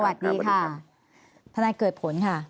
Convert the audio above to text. สวัสดีค่ะท่านกลิ่นเกิดผลค่ะ